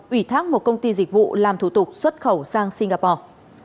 ủy thác một công ty dịch vụ làm thủ tục xuất khẩu sang singapore